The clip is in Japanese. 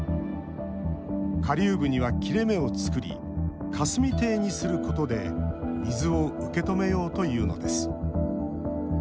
下流部には切れ目を作り霞堤にすることで水を受け止めようというのです。